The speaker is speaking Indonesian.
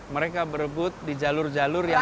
mereka berebut di jalur jalur yang